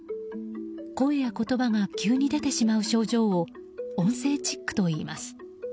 声や言葉が急に出てしまう症状を音声チックといいます。